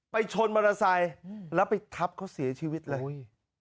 ไปชนมรสัยแล้วไปทับเขาเสียชีวิตเลย